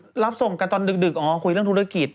รับส่งกันตอนดึกอ๋อคุยเรื่องธุรกิจ